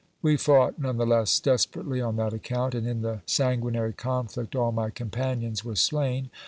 We fought none the less desperately on that account, and in the sanguinary conflict all my companions were slain.